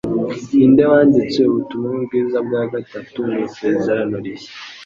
Ninde wanditse Ubutumwa Bwiza bwa gatatu mu Isezerano Rishya?